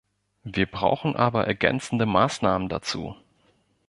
Wir brauchen aber ergänzende Maßnahmen dazu.